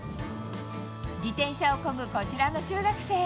自転車をこぐこちらの中学生。